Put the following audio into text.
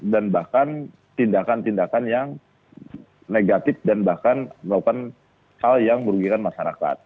dan bahkan tindakan tindakan yang negatif dan bahkan melakukan hal yang merugikan masyarakat